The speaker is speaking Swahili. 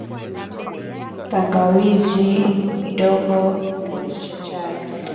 Tangawizi kijiko kidogo kimojaa cha chai